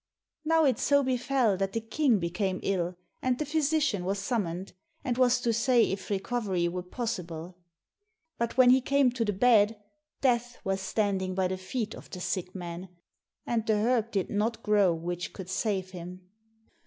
Now it so befell that the King became ill, and the physician was summoned, and was to say if recovery were possible. But when he came to the bed, Death was standing by the feet of the sick man, and the herb did not grow which could save him.